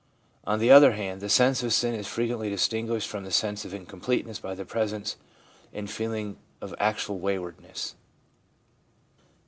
On the other hand, the sense of sin is frequently distinguished from the sense of incompleteness by the presence in feeling of actual waywardness.